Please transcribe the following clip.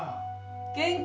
元気？